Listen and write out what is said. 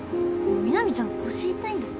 南ちゃん腰痛いんだって。